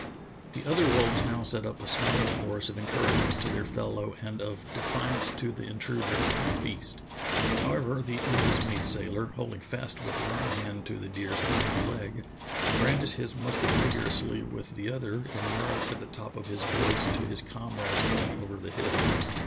The other wolves now set up a snarling chorus of encouragement to their fellow and of defiance to the intruder at their feast. However, the undis mayed sailor, holding fast with one hand to the deer's hind leg, brandished his musket vigorously with the 8o True Tales of Arctic Heroism other and yelled at the top of his voice to his comrades coming over the hill.